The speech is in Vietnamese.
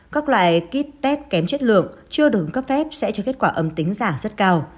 các loại kết tết kém chất lượng chưa đứng cấp phép sẽ cho kết quả âm tính giả rất cao